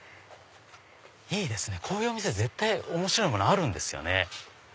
いいですねこういうお店絶対面白いものあるんですよね。